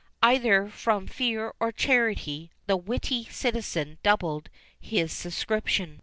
Either from fear or charity, the witty citizen doubled his subscription.